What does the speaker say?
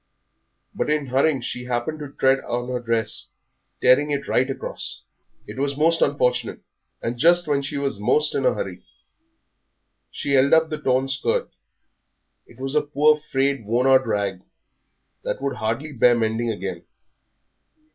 But in hurrying she happened to tread on her dress, tearing it right across. It was most unfortunate, and just when she was most in a hurry. She held up the torn skirt. It was a poor, frayed, worn out rag that would hardly bear mending again.